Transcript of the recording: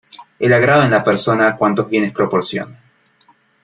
El agrado en la persona, cuantos bienes proporciona.